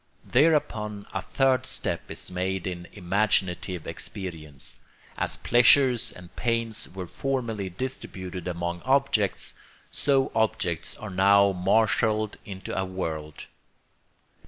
Thereupon a third step is made in imaginative experience. As pleasures and pains were formerly distributed among objects, so objects are now marshalled into a world.